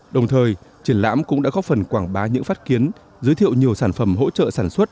đồng thời triển lãm cũng đã góp phần quảng bá những phát kiến giới thiệu nhiều sản phẩm hỗ trợ sản xuất